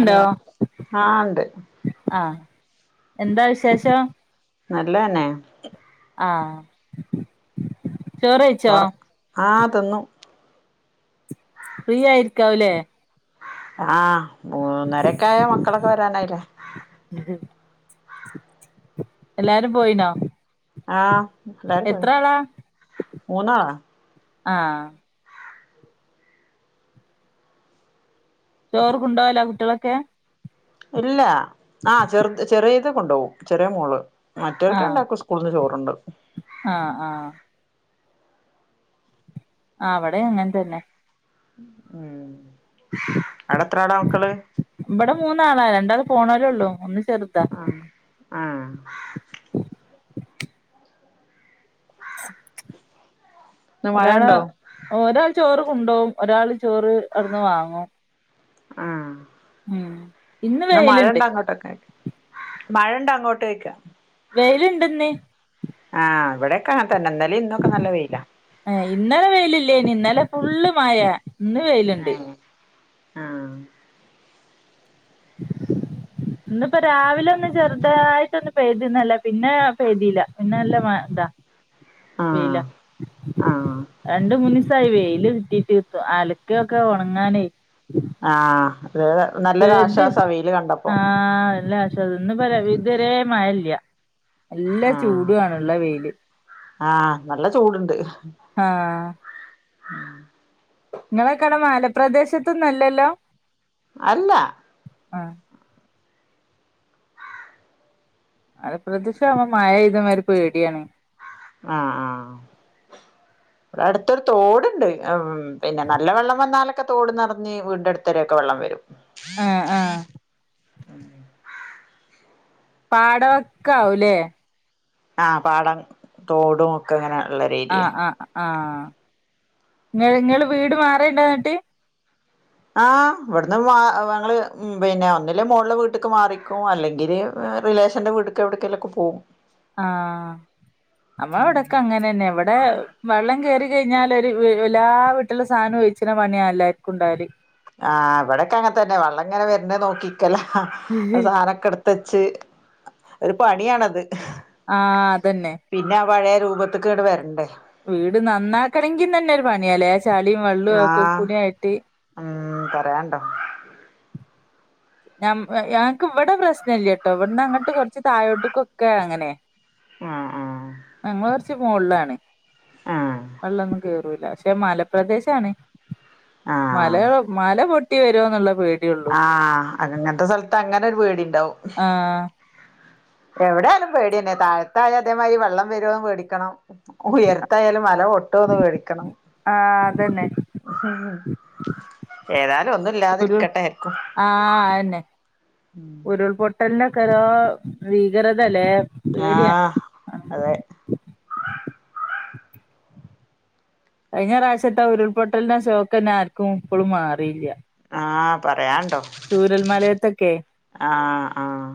Hello ആ ഉണ്ട് ആഹ് എന്താ വിശേഷം നല്ലന്നെ ആഹ് ചോറെയിച്ചോ ആഹ് തിന്നു ഫ്രീ ആയിരിക്കാവുല്ലേ ആഹ് മൂന്നരെക്കായ മക്കളൊക്കെ വരാനായില്ലേ ഉഹ് എല്ലാരും പോയിനോ ആ എല്ലാരും പോയിന് എത്ര ആളാ മൂന്നാള. ആഹ് ചോറ് കൊണ്ടോവല കുട്ട്യളൊക്കെ? ഇല്ല ആ ചെർത് ചെറിയേത് കൊണ്ടോവും ചെറിയ മോള്. മറ്റോൽക്ക് ആഹ് രണ്ടാക്കും സ്കൂള്ന്ന് ചോറ്ണ്ട്. ആഹ് ആഹ് ആ ഇവടെ അങ്ങൻ തന്നെ. ഉം അഒടെ എത്രാള മക്കള്? ഇവടെ മൂന്നാളാ രണ്ടാള് പോണോരേള്ളൂ ഒന്ന് ചെറുതാ. ആഹ് ആഹ് ഇന്ന് മഴ ഒരാള് ഉണ്ടോ ഒരാൾ ചോറ് കൊണ്ടോവും ഒരാൾ ചോറ് അഒട്ന്ന് വാങ്ങും. ആ ഉം ഇന്ന് മഴണ്ടാ അങ്ങോട്ടൊക്കെ? മഴണ്ടോ അങ്ങോട്ടോയ്ക്ക? വെയില്ണ്ട് ഇന്ന് ആ ഇവടെയക്കെ അങ്ങൻ തന്നെ ഇന്നലിം ഇന്നൊക്കെ നല്ല വെയില. ഏ ഇന്നലെ വെയിലില്ലേനി ഇന്നലെ ഫുള്ള് മഴ ഇന്ന് വെയിലുണ്ട്. ആ ഇന്ന്പ്പ രാവിലെ ഒന്ന് ചെർതായിട്ടൊന്ന് പെയ്ത് ഇന്നലെ പിന്നെ പെയ്തില്ല പിന്നെ നല്ല മ ഇതാ ആ വെയില ആഹ് രണ്ട് മൂന്നി സായി വെയില് കിട്ടീട്ട് അലക്കക്കെ ഒണങ്ങാനേയ് ആ അതെ അതെ നല്ലൊരു ആശ്വാസ വെയില് കണ്ടപ്പോ. ആ എല്ലേ [unintelligible] ഇതുവരേ മഴല്ല. എല്ല ആഹ് ചൂടു ആണ് ഇള്ള വെയില് ആഹ് നല്ല ആ ഉം ഇങ്ങളെക്കെ അഒടെ മാല പ്രദേശത്തൊന്നും അല്ലല്ലോ? അല്ല ആഹ് മല പ്രദേശം ആവ്മ്പോ മഴയ്തമാരി പേടിയാണ്. ആഹ് ആഹ് ഇവടെ അട്ത്തൊരു തോട്ണ്ട് അം പിന്നെ നല്ല വെള്ളം വന്നാലൊക്കെ തോട് ന്നറഞ്ഞ് വീടിന്റെടുത്തരൊക്കെ വെള്ളം വരും. ആഹ് ആഹ് പാട വക്കാവൂലേ? ആ പാടം തോടും ഒക്കെ ഇങ്ങനെ ഇള്ളരു ഏരിയേ. ആ ഇങ്ങള് ഇങ്ങള് വീട് മാറേണ്ടോ ഇങ്ങട്ട്? ആ ഇവട്ന്ന് മാ ഞങ്ങള് ഉം പിന്നെ ഒന്നില്ലേൽ മോൾല് വീട്ട്ക്ക് മാറിക്കും അല്ലെങ്കിൽ ഏ റിലേഷന്റെ വീട്ട്ക്ക്‌ എവിട്ക്കേലക്കെ പോവും. ആ നമ്മളെ ഇവടെ ക്ക അങ്ങനെ തന്നെ ഇവടെ വെള്ളം കേറി കഴിഞ്ഞാൽ ഒരു എല്ലാ വീട്ടില സാനും ഒഴിച്ച്ണ പണിയാല്ലേ ക്കുണ്ടാവല് ആ ഇവടെക്കെ അങ്ങൻ തന്നെ വള്ളം ഇങ്ങനെ വെര്നേ നോക്കിക്കല സാനൊക്കെ എട് തച്ച് ഒരു പണിയാണത് ആ അതന്നെ പിന്നെ ആ പഴയ രൂപത്തുക്ക് വരണ്ടേ വീട് നന്നാക്കണെങ്കിന്നെ ഒരു പണിയല്ലേ ആ ചാളിയും വെള്ളവും ഒക്കെ ആഹ് കൂടായിട്ട് ഉം പറയണ്ടോ ഞ ഞങ്ങക്ക് ഇവിടെ പ്രശ്നല്ലട്ടോ ഇവിടന്ന് അങ്ങോട്ട് കൊറച്ച് താഴോട്ടക്കൊക്കെ അങ്ങനെ ആഹ് ആഹ് ഞങ്ങള് കൊറച്ച് മോൾലാണ് ആഹ് വെള്ളൊന്നും കേറൂല്ല പക്ഷെ മലപ്രദേശാണ് മല ആഹ് മല പൊട്ടി വരോ എന്നുള്ള പേടിയള്ളൂ ആഹ് അങ്ങനത്തെ സ്ഥലത്ത് അങ്ങനെ ഒരു പേടി ണ്ടാവും ആഹ് എവിടെയായാലും പേടിന്നെ താഴത്തായ അതേമാതിരി വെള്ളം വരുവോന്ന് പേടിക്കണം ഉയരത്തായാലും മല പൊട്ടോന്ന് പേടിക്കണം ആഹ് അതന്നെ ഏതാലും ഒന്നും ഒരു ഇല്ലാതിരിക്കട്ടെ ആർക്കും ആഹ് അതെന്നെ ഉരുൾപൊട്ടലിനൊക്കെ ഓരോ ഭീകരതയല്ലേ ആഹ് അതെ കഴിഞ്ഞ പ്രാവശ്യത്തെ ഉരുൾപൊട്ടലിന്റെ ഷോക്ക് തന്നെ ആർക്കും ഇപ്പോളും മാറിയില്ല. ആഹ് പറയാനുണ്ടോ ചൂരൽ മലയത്തൊക്കെ ആഹ് ആഹ്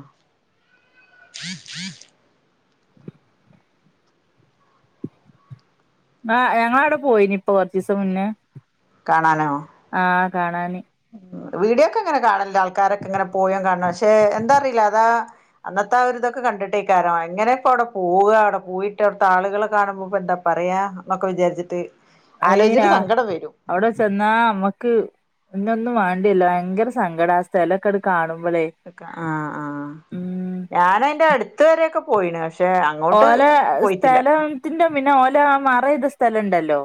ആഹ് ഞങ്ങള് അവിടെ പോയിന് ഇപ്പൊ കൊറച്ച് ദിവസം മുന്നേ കാണാനോ ആഹ് കാണാന് ഉം വീഡിയോക്കെ ഇങ്ങനെ കാണലുണ്ട്. ആൾക്കാരൊക്കെ ഇങ്ങനെ പോയ കാണണം. പക്ഷെ എന്താ അറിയില്ല, അതാ അന്നത്തെ ആ ഒരിതൊക്കെ കണ്ടിട്ടേ എങ്ങനെ ഇപ്പൊ അവിടെ പോവുക, അവിടെ പോയിട്ട് അവിടത്തെ ആളുകളെ കാണുമ്പോ ഇപ്പോ എന്താ പറയാ ന്നൊക്കെ വിചാരിച്ചിട്ട് അയ്യ ആലോചിച്ചിട്ട് സങ്കടം വരും. അവിടെ ചെന്നാ നമ്മക്ക് പിന്നൊന്നും വേണ്ടി വരില്ല. ഭയങ്കര സങ്കടം ആഹ് സ്ഥലമൊക്കെ കാണുമ്പോളേ ആഹ് ആഹ്. ഞാനതിന്റെ അടുത്ത വരെക്കൊ പോയിണ് അങ്ങോട്ട് ഓല പോയിട്ടില്ല സ്ഥലത്തിന്റെ പിന്നെ ഓല മറവ് ചെയ്ത സ്ഥലം ഉണ്ടല്ലോ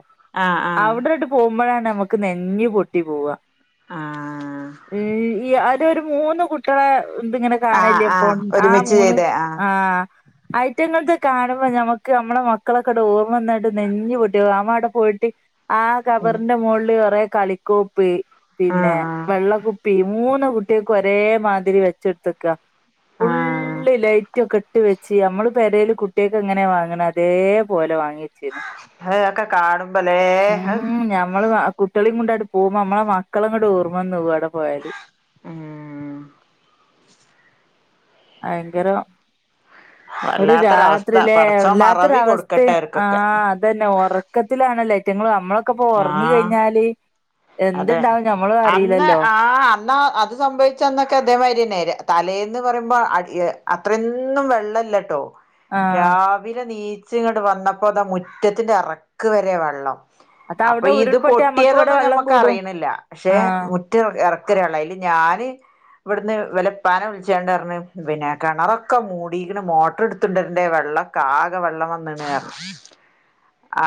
ആഹ് ആഹ് പോകുമ്പോഴാണ് നമുക്ക് നെഞ്ചു പൊട്ടി പോവുക ആഹ് ഈ അതിലൊരു മൂന്ന് കുട്ടികളെ ഇത് ങ്ങനെ ആഹ് കാണലില്ലേപ്പൊ, ആഹ് ആ ഒരുമിച്ച് മൂന്ന് ചെയ്തേ ആഹ് ആയിട്ടങ്ങൾതൊക്കൊ കാണുമ്പോ നമ്മുക്ക്, നമ്മളെ മക്കളൊക്കെ ഓർമ്മ വന്നിട്ട് നെഞ്ഞ് പൊട്ടി ആ അവിടെ പോയിട്ട്. ആഹ് ഉം ഖബറിന്റെ മുകളില് കുറെ കളിക്കോപ്പ് ആഹ് പിന്നെ ആഹ് വെള്ളക്കുപ്പി, മൂന്ന് കുട്ടികൾക്ക് ഒരേമാതിരി വെച്ച് കൊടുത്തിരിക്കയാ. ആഹ് ഫുള്ള് ലൈറ്റ് ഒക്കെ ഇട്ട് വെച്ച് നമ്മള് പെരെല് കുട്ടികൾക്ക് എങ്ങനെ വാങ്ങണ അതേപോലെ വാങ്ങി അത് ഒക്കെ കാണുമ്പലേ ഹൗ ഉം ഞമ്മള് ആ കുട്ടി കുട്ടികളെയും കൊണ്ടവിടെ പോകുമ്പോൾ നമ്മള മക്കളങ്ങോട്ട് ഓർമ്മ വന്ന് പോകുംന്ന അവിടെ പോയാല് ഉം ഭയങ്കരം ഒരു വല്ലാത്തൊരവസ്ഥ രാത്രിയിലെ പടച്ചോൻ മറവി വല്ലാത്തൊരവസ്ഥ കൊടുക്കട്ടെ അവർക്കൊക്കെ ആഹ്.. അതന്നെ ഉറക്കത്തിലാണല്ലേ അതിറ്റിങ്ങൾ നമ്മള ഒക്ക ഉറങ്ങി ആഹ് കഴിഞ്ഞാല് അതെ എന്തുണ്ടാവും ഞമ്മളും അന്ന് അറിയില്ലല്ലോ ആഹ് അന്നാ ഇത് സംഭവിച്ചന്നൊക്കെ ഇതേമാരിന്നെ തലേന്ന് പറയുമ്പോ അ അത്രയൊന്നും വെള്ളല്ലട്ടോ ആഹ് രാവിലെ നീച്ച് ഇങ്ങെട്ട് വന്നപ്പോതാ മുറ്റത്തിന്റെ എറക്ക് വെരെ വെള്ളം അപ്പൊ അതവിടെ ഇത് ഉരുൾപൊട്ടി നമ്മക്ക് ഇവിടെ പൊട്ടിയതൊന്നും വെള്ളം ഞമ്മക്ക് കൂടും അറിണില്ല പക്ഷെ ആഹ് [unintelligible] മുറ്റം എറക്കര വെള്ളം അയില് ഞാന് ഇവട്ന്ന് ഇവലെ ഇപ്പാനെ വിളിച്ചാണ്ട് പറഞ്ഞ് പിന്നെ കിണറൊക്കെ മൂടീക്ക്ണ് മോട്ടറ്ട്ത്ത് കൊണ്ടരണ്ടേ വെള്ളം ആകെ വെള്ളം വന്ന്ണ്റ്ഞ്ഞ്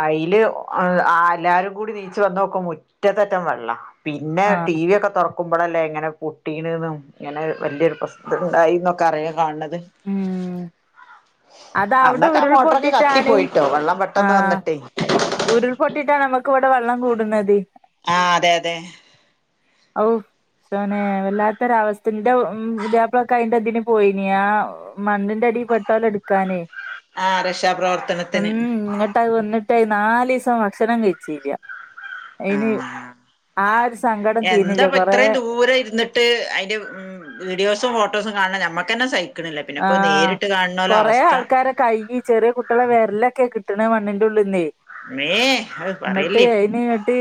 അയില് ഏഹ് അ എല്ലാരും കൂടിം നീച്ച് വന്നോക്കുമ്പോ മുറ്റത്തെറ്റം വെള്ളം പിന്നെ ടി ആഹ് വി ഒക്കെ തൊറ ക്കുമ്പളല്ലേ ഇങ്ങനെ പൊട്ടീണ്ന്നും ഇങ്ങനെ വലിയൊരു പ്രശ്നണ്ടായിന്നൊക്കെ അറിയാ കാണ് ത് ഉം അതവിടെ അന്നൊക്കെ ആ മോട്ടറൊക്കെ കത്തി ഉരുൾപൊട്ടിട്ടാണ് പോയിട്ടോ വെള്ളം പെട്ടെന്ന് വന്ന്ട്ടേ ഉരുൾപൊട്ടീട്ടാ നമക്ക് ഇവടെ വെള്ളം കൂട്ണത്. ആഹ് അതെ അതെ ഔഹ് പടച്ചോനെ വല്ലാത്തൊരവസ്ഥ ഇന്റെ പുതിയാപ്പ്ളോക്കെ അയിന്റെ ഇതിന് പോയിനി ആ മണ്ണിന്റെ അടീല് പെട്ടോലേ ഇട്ക്കാനേ ആ ഉം രക്ഷാപ്രവർത്തനത്തിന് ഇങ്ങട്ട് അത് വന്ന് നാലീസം ഭക്ഷണം കഴിച്ചില്ല ആ അയ്ന് ആ ഒരു സങ്കടം തീര്ന്നില്ലാ കൊറേ പോരേ ഇര്ന്ന് ട്ട് അയ്ന്റെ ഉം വീഡിയോസും ഫോട്ടോസും കാണ്ന്ന നമ്മക്കന്നെ സഹി ക്ക്ണ്ല്ല പിന്നെ ഇപ്പ നേരിട്ട് കാണ്ന്നോലെ അവസ്ഥ കയ്യ് ചെറിയ കുട്ട്യേള വെരലൊക്കെ കിട്ട്ണ മണ്ണിന്റെ ഉള്ള്ന്നേ മ്മേ അത് ഇന്നെട്ട് പറയല്ലേ അയ്ന് ഇങ്ങെട്ട്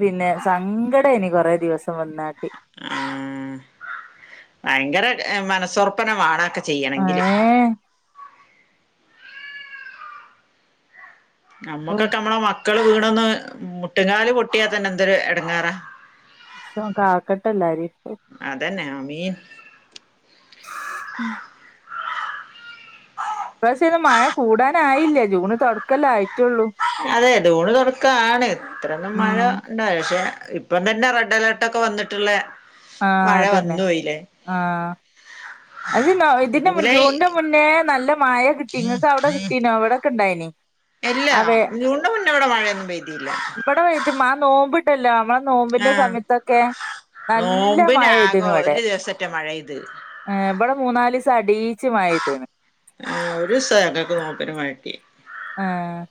പിന്നെ സങ്കടേനി കൊറെ ദിവസം വെന്നാണ്ട് ആഹ് ഭയങ്കര ഏ മനസ്സോറപ്പന്നെ വാണം അതൊക്കെ ചെയ്യണങ്കില് ഏഹ് ഓഹ് നമ്മക്കൊക്കെ നമ്മളെ മക്കള് വീണൊന്ന് മുട്ട്ക്കാല് പൊട്ടിയാ തന്നെ എന്തൊര് എടങ്ങേറാ ച്ചോൻ കാക്കട്ടെ എല്ലാരിം അതന്നെ ആമീൻ ഉം ഇപ്രാവശ്യം അയ്ന് മഴ കൂടാനായില്ല ജൂണ് തൊട ക്കല്ലേ ആയിട്ടോള്ളൂ അതെ ജൂണ് തൊടക്കാണ് ഇത്രന്നും മഴ ഉം ഉണ്ടാവില്ല പക്ഷെ ഇപ്പം തന്നെ റെഡ് അലേട്ടൊക്കെ വന്ന്ട്ട്ള്ളെ ആഹ് മഴ അതന്നെ വന്ന് പോയില്ലേ ആഹ് അത് [unintelligible] ഇതിന്റെ മുൻ ജൂലൈ ജൂണ്ന്റെ മുന്നേ നല്ല മഴ കിട്ടി ഇങ്ങക്ക് അവിടെ കിട്ടീനോ ഇവിടെക്കെ ഇണ്ടായ്നി ഇല്ല ജൂണ്ന് മുന്നേ ഇവിടെ മഴയൊന്നും പെയ്തില്ല ഇവടെ പെയ്ത് മ്മാ ആ നോമ്പ് ഇപ്പ ഇല്ല നമ്മളെ നോമ്പിന്റെ ആഹ് സമയത്തൊക്കെ നല്ല മഴയ്ത്ണ് ഇവടെ ല്ല മഴയ്ത് ഏഹ് ഇവടെ മൂന്നാലീസം അടീച്ച് മഴ പെയ്ത്ണ് ആഹ് ഒരു ദിവസാ ഞങ്ങക്ക് നോമ്പിന് മഴ കിട്ടിയേ ഏഹ്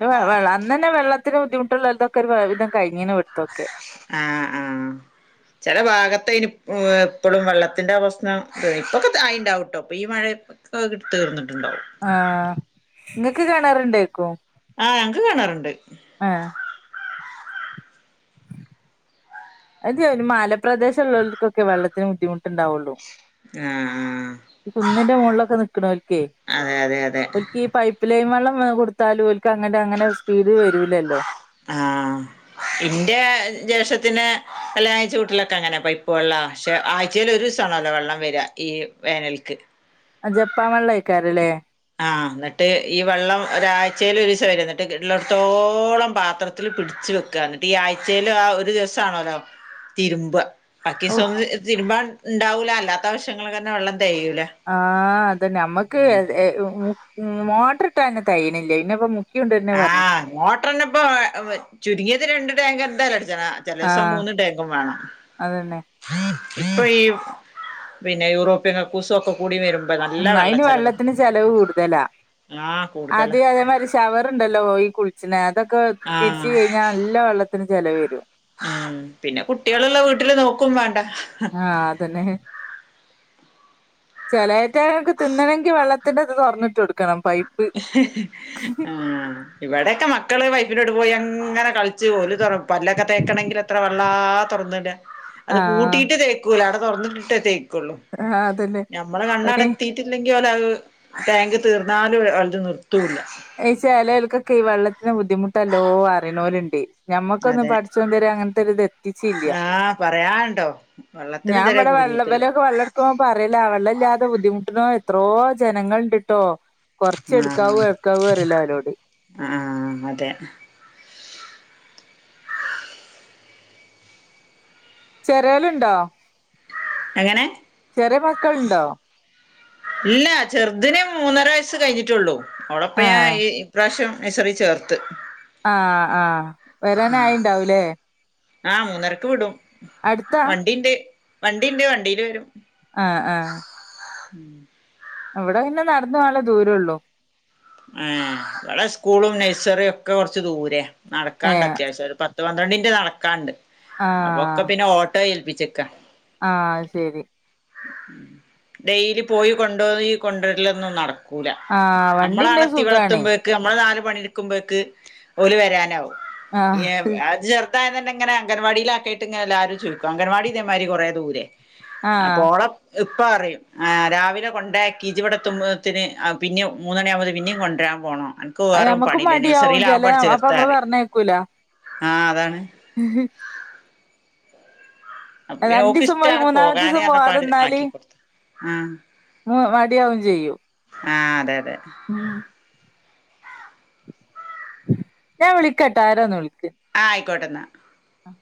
വെ വെ വെള്ള അന്നന്നെ വെള്ളത്തിന് ബുദ്ധിമുട്ട് ഇള്ളോല്തൊക്കെ ഒരു വെ വിധം കഴിഞ്ഞ്ണ് ഇവിട്ത്തൊക്കെ ആഹ് ആഹ് ചെല ഭാഗത്ത് അയ്ന് ഇ ഇപ്പളും വെള്ളത്തിന്റെ പ്രശ്നം ഇപ്പൊക്കെ ആയിണ്ടാവൂട്ടോ ഇപ്പ ഈ മഴത്ത് ഇപ്പത് കി തീർന്ന്ട്ട്ണ്ടാവും ആഹ് നിങ്ങക്ക് കെണറുണ്ടേക്കോ ആഹ് ഞങ്ങക്ക് കെണറുണ്ട് ആഹ് അതെ ഒരു മാലപ്രദേശൊള്ളവൽക്കൊക്കെ വെള്ളത്തിന് ബുദ്ധിമുട്ടുണ്ടാവുള്ളു ആ കുന്നിന്റെ മുകളിലൊക്കെ നിൽക്കണോൽക്കേ അതെ അതെ അതെ ഈ പൈപ്പ് ലൈൻ വെള്ളം വെ കൊടുത്താലും ഓൽക്ക് അങ്ങന അങ്ങന സ്പീഡ് വരൂല്ലല്ലോ ആഹ് ഇന്റെ ജേഷ്ട്ടത്തിനെ കല്ലായഴിച്ച വീട്ടിലൊക്കങ്ങന പൈപ്പ് വെള്ള പക്ഷെ ആയ് ച്ചേല് ഒരു ദിവസാണൊല്ലോ വെള്ളം വരിക ഈ വേനൽക്ക് ആഹ് ജപ്പാ വെള്ള ആയ്ക്കാറില്ലേ ആഹ് എന്നിട്ട് ഈ വെള്ളം ഒരാഴ്ച്ചേല് ഒരു ദിവസം വരും എന്നിട്ട് കിട്ടിലെട്ത്തോളം പാത്രത്തി ത്തി പിടിച്ചു വെക്കുക എന്നിട്ട് ഈ ആഴ്ചേല് ആഹ് ഒരു ദിവസാണല്ലോ തിരുമ്പ്ക ഔ ബാക്കിസോങ്ങ് തിരുമ്പാൻ ഇണ്ടാവൂല അല്ലാത്ത ആവശ്യങ്ങള്ക്കന്നെ വെള്ളം തേയൂല്ല ആഹ് അതന്നെ നമ്മക്ക് എ മ്മ് മോട്ടറിട്ടാ ന്നെ തെയ്യ്യണില്ലേ പിന്നിപ്പം മോ ക്യു ഉണ്ട് തന്നെ പറഞ്ഞു മോട്ടർനിപ്പോ എഹ് അപ് ചുരുങ്ങിയത് രണ്ട് ടാങ്ക് എന്തായാലും അടിച്ചനാ ചെലേസം ആഹ് മൂന്ന് ടേങ്കും വേണം അതന്നെ ഇപ്പൊ ഈ പിന്നെ യൂറോപ്യൻ കക് കുസൊക്കെ കൂടി വരുമ്പോ നല്ല ഉം വെള്ള അയിന് ചെലവ വെള്ളത്തിന് ചെലവ് കൂടുതലാ ആഹ് അങ്ങനെ തന്നെ ശവർണ്ടല്ലോ ഈ കുൾച്ച്ണ അതൊക്കെ ആഹ് തിര്ച്ച് കഴിഞ്ഞാൽ നല്ല വള്ളത്തിന് ചെലവരും. ആഹ് പിന്നെ കുട്ട്യാൾള്ള വീട്ടില് നോക്കും വേണ്ട. ആഹ് അതന്നെ. ചെലേറ്റകൾക്ക് തിന്നണങ്കിൽ വെള്ളത്തിന്റെ ഇത് തൊറന്നിട്ടൊ ആഹ് ഇവിടെക്കെ മക്കൾ പൈപിന്റോട്ട് പോയി അങ്ങനെ കളിച്ച് ഓല്തോറ പല്ലൊക്കെ തേക്കണങ്കിൽ എത്ര വെള്ളാ തുറന്നിടാ. അത് ആഹ് പൂട്ടിട്ട് തേക്കൂല അട തുറന്നിട്ടേ തേക്കൊള്ളൂ ആഹ് അതന്നെ ഞമ്മള് അയിന് കണ്ണടത്തി റ്റില്ലെങ്കിൽ ഓല അത് ടാങ്ക് തീർന്നാലും ഒലത് നിർത്തുല്ല. അയ് ചെലോൽക്കൊക്കെ വെള്ളത്തിന് ബുദ്ധിമുട്ടല്ലോ അറിയുന്നോര്ണ്ടെ. ഞമ്മക്കൊന്നും അതെ പടച്ചോൻ ഇതൊരെ അങ്ങനത്തൊരിത് എത്തിച്ചില്ല. ആഹ് പറയാണ്ടോ വെള്ളത്തിന് ഞാൻ ഇതുവരെ ഇവിടെ കുടുങ്ങിയിട്ടില്ല വെള്ളവലൊക്കെ വെള്ള ക്കൊ പറയല്ല വള്ളല്ലാതെ ബുദ്ധിമുട്ടുന്നോ എത്രോ ജനങ്ങൾ ഇണ്ട്ട്ടോ. കൊറച്ച് ആഹ് എടുക്കാവു എടുക്കാവു റയ്ല്ലാരോട്. ആഹ് അതെ. ചെറ്യോലുണ്ടോ? എങ്ങനെ? ചെറിയ മക്കൾണ്ടോ? ഇല്ല ചെറുതിന് മൂന്നര വയസ്സ് കഴിഞ്ഞിട്ടുള്ളു ഓളെപ്പോ ഞാൻ ഏഹ് ഇ. പ്രാവിശ്യം നഴ്സറി ചേർത്ത്. ആഹ് ആഹ് വരാനായിണ്ടാവുല്ലേ. ആഹ് മൂന്നരക്ക് വിടും. വണ്ടിണ്ട് വണ്ടിണ്ട് വണ്ടീയില് വരും. ആഹ് ആഹ്. ആഹ്. ഇവിടെ പിന്നെ നടന്ന് പോവാനുള്ള ദൂരൊള്ളു. ആഹ് വടെ സ്കൂളും നഴ്സറിം ഒക്കെ കൊറച്ച് ദൂരെ, നടക്കാണ്ട് ഏഹ് അത്യാവശ്യം ഒരു പ പത്ത് പന്ത്രണ്ടിൻറ്റ് നടക്കാണ്ട്, അപ്പൊക്കെ ആഹ് പിന്നെ ഓട്ടോ ഏൽപ്പിച്ച്ക്കാ. ആഹ് ശരി. ഡെയ്ലി പോയി കൊണ്ടോയി കൊണ്ടോര്ലന്നും നടക്കൂല. ആഹ് വണ്ടിണ്ടെ സുഖാണെ. ക്ക് നമ്മൾ നാല് പണി ഇടുക്കുമ്പോയ്ക്ക് ഓല് വരാനാവും ആഹ് എ അത്. ത്തായതന്നെങ്ങനെ അംഗണവാടിയിലാക്കിട്ട് ഇങ്ങനെ ല്ലാരും ചെയ്യിക്കും അംഗണവാടി ഇതേമായ്രി കൊറേ ദൂരെ. ആഹ് അപ്പോളെ. ഇപ്പ അറിം ആഹ് രാവിലെ കൊണ്ടേക്കിജിവിടെത്തുമ്പോ ത്തിന് പിന്നേം. മൂന്നണിയാമ്പോത്തി പിന്നിം കൊണ്ടരാ പോണോ? ൻക്കു അത് വേറെ ഞമ്മക്ക് പണില്ലേ മടിയാവും ചെല നഴ്‌സറിലാപ്പ അപ്പൊ നമ്മള് ചേർത്താറിം പറഞ്ഞയക്കൂല ആഹ് അതാണ്. അപ്പൊ പിന്നെ ഓക്ക് രണ്ടിസം പോയി ഇഷ്ടാണ് മൂന്നാമത്തിസം പോവാതിന്നാല്. ആഹ്. ഉം മടിയാവും ചെയ്യും. ആഹ് അതെ അതെ. മ്മ് ഞാൻ വിളിക്കാട്ടോ ആരന്ന ളിക്ക്. ആഹ് ആയിക്കോട്ടെന്നാ. ആഹ്.